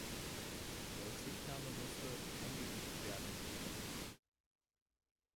Rücksichtnahme musste „eingeübt“ werden.